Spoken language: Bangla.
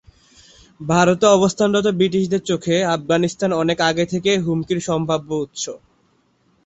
ভারতে অবস্থানরত ব্রিটিশদের চোখে, আফগানিস্তান অনেক আগে থেকেই হুমকির সম্ভাব্য উৎস।